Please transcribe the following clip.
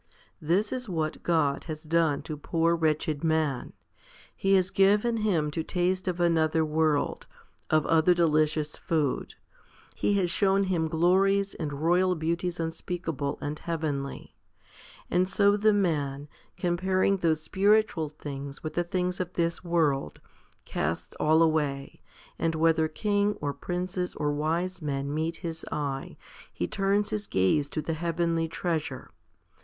This is what God has done to poor wretched man. He has given him to taste of another world, of other delicious food ; He has shown him glories and royal beauties unspeakable and heavenly ; and so the man, comparing those spiritual things with the things of this world, casts all away, and whether king, or princes, or wise men meet his eye, he turns his gaze to the heavenly treasure.